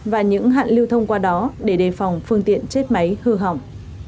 và những hạn lưu thông qua đó để đề phòng phương tiện chết máy hư hỏng